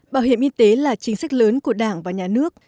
bảo hiểm y tế là chính sách lớn của đảng và nhà nước